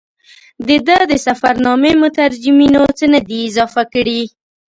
د ده د سفرنامې مترجمینو څه نه دي اضافه کړي.